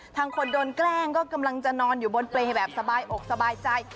ทางคนโดนแกล้งก็กำลังจะนอนอยู่บนเปรย์แบบสบายอกสบายใจ